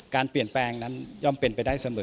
การเปลี่ยนแปลงนั้นย่อมเป็นไปได้เสมอ